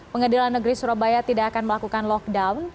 pengadilan negeri surabaya tidak akan melakukan lockdown